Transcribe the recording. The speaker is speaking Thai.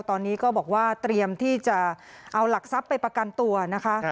ตอนนี้ก็บอกว่าเตรียมที่จะเอาหลักทรัพย์ไปประกันตัวนะคะ